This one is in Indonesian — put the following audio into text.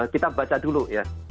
kita baca dulu ya